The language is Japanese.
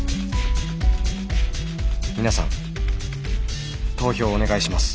「皆さん投票をお願いします」。